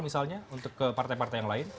misalnya untuk ke partai partai yang lain